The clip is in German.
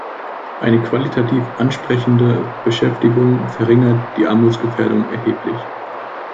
Eine qualitativ ansprechende Beschäftigung verringert die Armutsgefährdung erheblich.